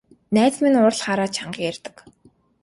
Найз маань уурлахаараа чанга ярьдаг.